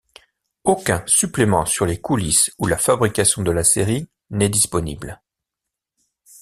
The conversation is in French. Aucun supplément sur les coulisses ou la fabrication de la série n'est disponible.